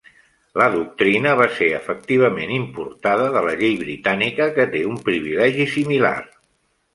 La doctrina va ser efectivament importada de la llei britànica que té un privilegi similar.